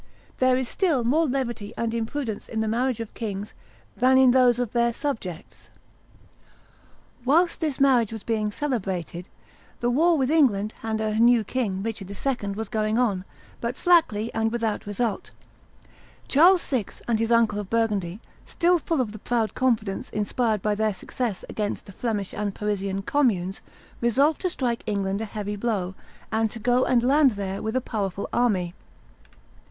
There is still more levity and imprudence in the marriages of kings than in those of their subjects. Whilst this marriage was being celebrated, the war with England, and her new king, Richard II., was going on, but slackly and without result. Charles VI. and his uncle of Burgundy, still full of the proud confidence inspired by their success against the Flemish and Parisian communes, resolved to strike England a heavy blow, and to go and land there with a powerful army.